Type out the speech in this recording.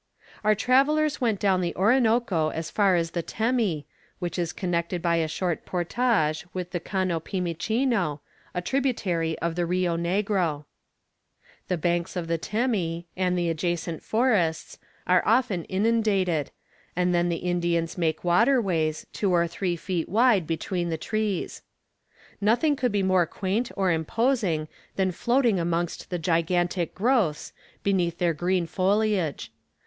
Our travellers went down the Orinoco as far as the Temi, which is connected by a short portage with the Cano Pimichino, a tributary of the Rio Negro. The banks of the Temi, and the adjacent forests, are often inundated, and then the Indians make waterways, two or three feet wide, between the trees. Nothing could be more quaint or imposing than floating amongst the gigantic growths, beneath their green foliage.